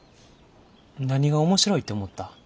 何が面白いって思った？